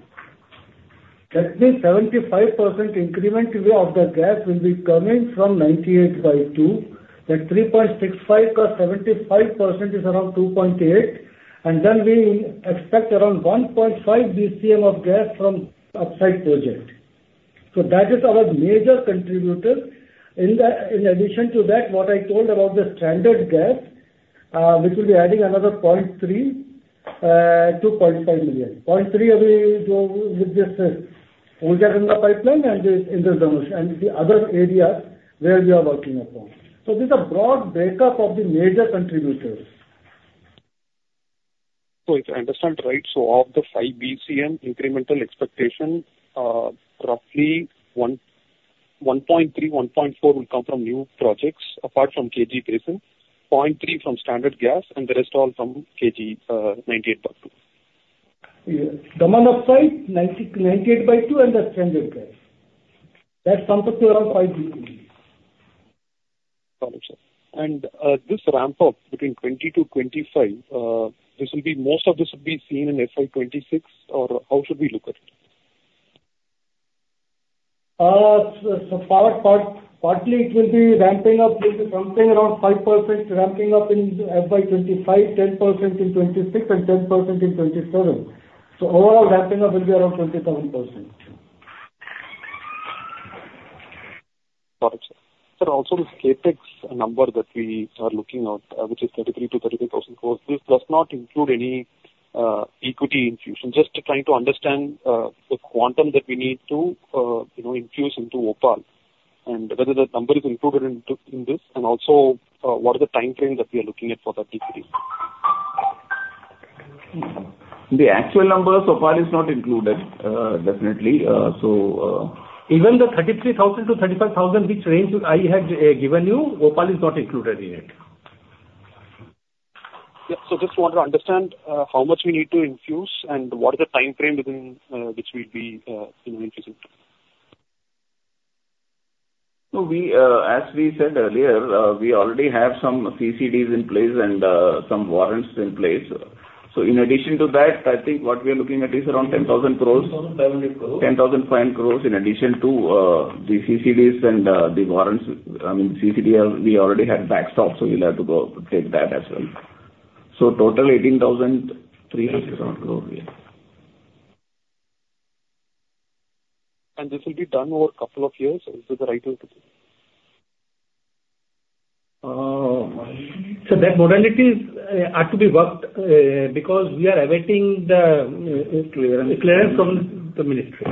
That means 75% increment of the gas will be coming from 98/2, that 3.65 plus 75% is around 2.8, and then we expect around 1.5 BCM of gas from upside project. So that is our major contributor. In addition to that, what I told about the stranded gas, which will be adding another 0.3-0.5 million. 0.3 will go with this in the pipeline and this, in this direction, and the other area where we are working upon. This is a broad breakup of the major contributors. If I understand right, of the 5 BCM incremental expectation, roughly 1, 1.3, 1.4 will come from new projects, apart from KG Basin, 0.3 from stranded gas, and the rest all from KG 98/2. Yeah. The only upside, 98/2, and the stranded gas. That comes up to around 5 BCM.... Got it, sir. And, this ramp up between 20-25, this will be, most of this will be seen in FY 2026, or how should we look at it? So, partly it will be ramping up, will be something around 5%, ramping up in FY 2025, 10% in 2026, and 10% in 2027. So overall, ramping up will be around 27%. Got it, sir. Sir, also this CapEx number that we are looking at, which is 33,000 crore-35,000 crore, this does not include any equity infusion. Just trying to understand the quantum that we need to you know infuse into OPaL, and whether that number is included in this, and also what is the timeframe that we are looking at for 33? The actual number so far is not included, definitely. Even the 33,000-35,000, which range I had given you, OPaL is not included in it. Yeah. So just want to understand how much we need to infuse, and what is the timeframe within which we'll be, you know, infusing to? So we, as we said earlier, we already have some CCDs in place and some warrants in place. So in addition to that, I think what we are looking at is around 10,000 crore. 10,500 crore. 10,500 crores in addition to the CCDs and the warrants. I mean, CCDs, we already had backstop, so we'll have to go take that as well. So total, 18,300 crores, yes. This will be done over a couple of years. Is that the right way to do? So that modalities are to be worked because we are awaiting the- Uh, clearance... clearance from the ministry.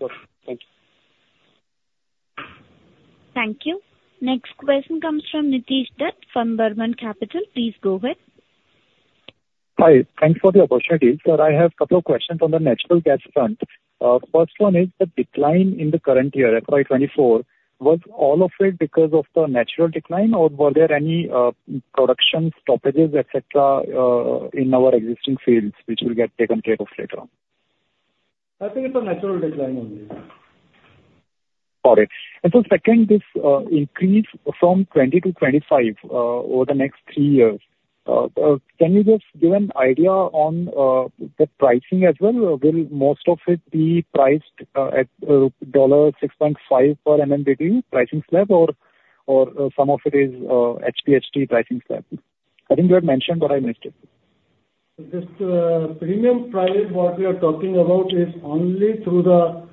Okay. Thank you. Thank you. Next question comes from Nitesh Dutt, from Berenberg. Please go ahead. Hi. Thanks for the opportunity. Sir, I have a couple of questions on the natural gas front. First one is the decline in the current year, FY 2024, was all of it because of the natural decline, or were there any production stoppages, et cetera, in our existing fields, which will get taken care of later on? I think it's a natural decline only. Got it. And so second, this increase from 20 to 25, can you just give an idea on the pricing as well? Will most of it be priced at $6.5 per MMBtu pricing slab or some of it is HPHT pricing slab? I think you had mentioned, but I missed it. This premium price, what we are talking about, is only through the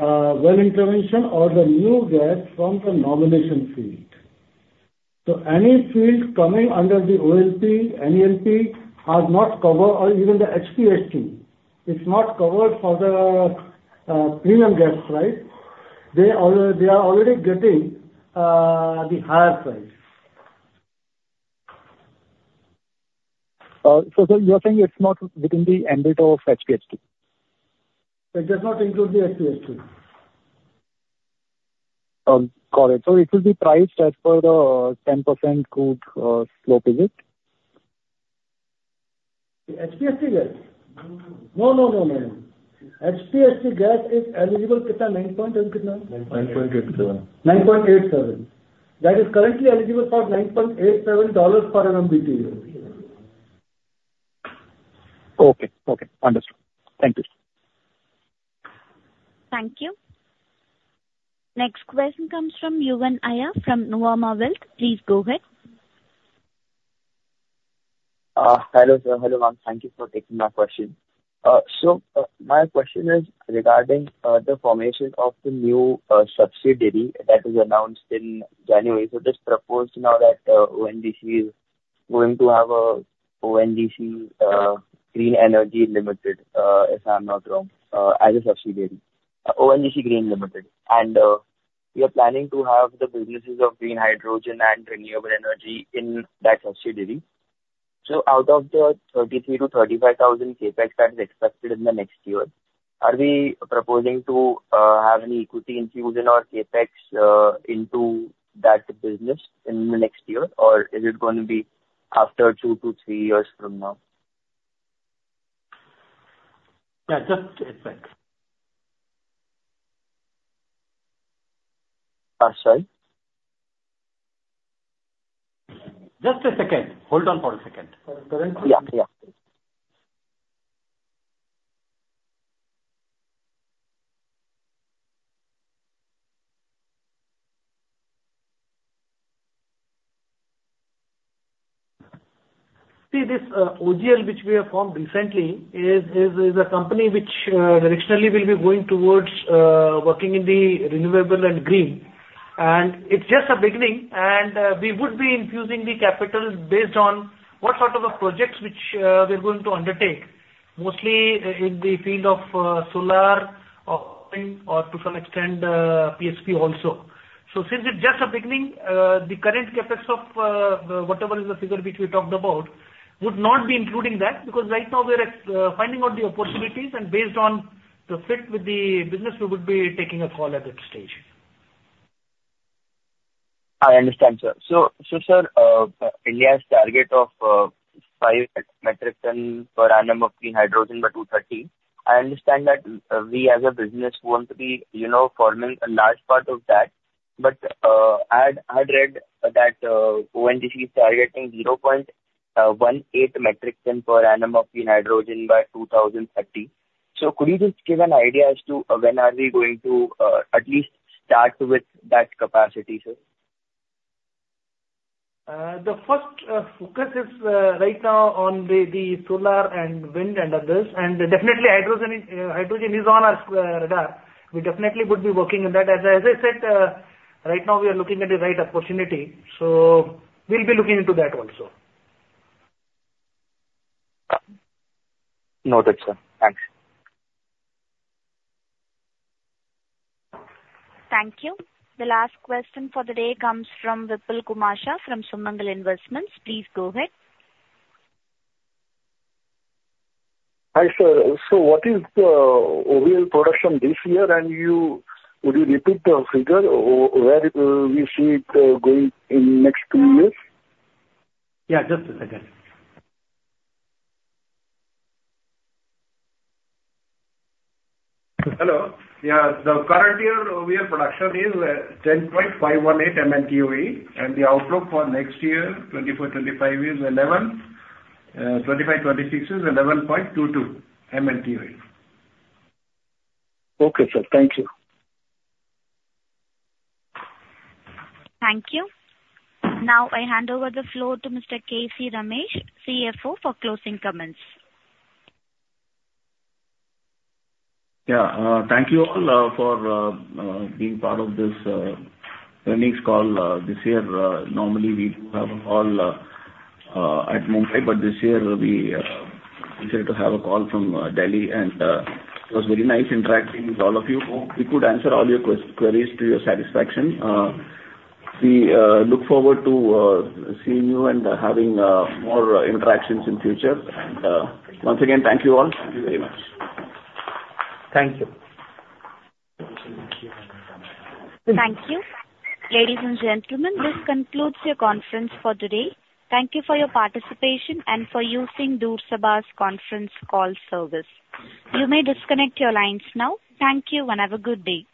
well intervention or the new gas from the nomination field. So any field coming under the OALP, NELP, are not covered, or even the HPHT, it's not covered for the premium gas price. They are already getting the higher price. Sir, you are saying it's not within the ambit of HPHT? It does not include the HPHT. Got it. So it will be priced as per the 10% growth slope, is it? The HPHT gas? No, no, no. No, no, no, no. HPHT gas is eligible, "... 9 point and... 9.87. 9.87. That is currently eligible for $9.87 per MMBtu. Okay. Okay. Understood. Thank you. Thank you. Next question comes from Yuval Aiya from Nuvama Wealth. Please go ahead. Hello, sir. Hello, ma'am. Thank you for taking my question. So, my question is regarding the formation of the new subsidiary that was announced in January. So this proposed now that ONGC is going to have a ONGC Green Energy Limited, if I'm not wrong, as a subsidiary, ONGC Green Energy Limited. And we are planning to have the businesses of green hydrogen and renewable energy in that subsidiary. So out of the 33,000-35,000 CapEx that is expected in the next year, are we proposing to have any equity infusion or CapEx into that business in the next year? Or is it going to be after 2-3 years from now? Yeah, just a second. Uh, sorry? Just a second. Hold on for a second. Yeah. Yeah. See this, OGL, which we have formed recently, is a company which directionally will be going towards working in the renewable and green. And it's just a beginning, and we would be infusing the capital based on what sort of a projects which we're going to undertake, mostly in the field of solar or, to some extent, PSP also. So since it's just a beginning, the current CapEx of whatever is the figure which we talked about would not be including that, because right now we are at finding out the opportunities, and based on the fit with the business, we would be taking a call at that stage. ... I understand, sir. So, sir, India's target of 5 metric ton per annum of clean hydrogen by 2030, I understand that, we as a business want to be, you know, forming a large part of that. But, I had read that ONGC is targeting 0.18 metric ton per annum of clean hydrogen by 2030. So could you just give an idea as to when are we going to at least start with that capacity, sir? The first focus is right now on the solar and wind and others, and definitely hydrogen. Hydrogen is on our radar. We definitely would be working on that. As I said, right now we are looking at the right opportunity, so we'll be looking into that also. Noted, sir. Thanks. Thank you. The last question for the day comes from Vipul Kumar from Sumangal Investments. Please go ahead. Hi, sir. So what is the overall production this year, and would you repeat the figure, or where we see it going in next two years? Yeah, just a second. Hello, yeah. The current year overall production is 10.518 MMtoe, and the outlook for next year, 2024-2025, is 11. 2025-2026 is 11.22 MMtoe. Okay, sir. Thank you. Thank you. Now, I hand over the floor to Mr. K.C. Ramesh, CFO, for closing comments. Yeah, thank you all for being part of this earnings call this year. Normally, we do have a call at Mumbai, but this year we decided to have a call from Delhi. It was very nice interacting with all of you. Hope we could answer all your queries to your satisfaction. We look forward to seeing you and having more interactions in future. Once again, thank you all. Thank you very much. Thank you. Thank you. Ladies and gentlemen, this concludes your conference for today. Thank you for your participation and for using Doorsabha Conference Call Service. You may disconnect your lines now. Thank you, and have a good day.